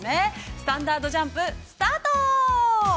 スタンダードジャンプスタート！